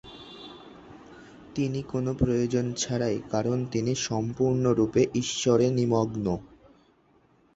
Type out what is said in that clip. তিনি কোন প্রয়োজন ছাড়াই কারণ তিনি সম্পূর্ণরূপে ঈশ্বরে নিমগ্ন।